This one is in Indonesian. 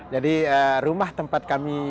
jadi rumah tempat kami terdapat di sini